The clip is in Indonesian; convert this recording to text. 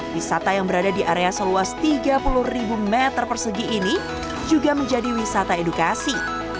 wisata yang berada di area seluas tiga puluh meter persegi ini juga menjadi wisata edukasi